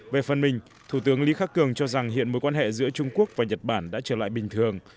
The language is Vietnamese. về phần mình thủ tướng lý khắc cường cho rằng hiện mối quan hệ giữa trung quốc và nhật bản đã trở lại bình thường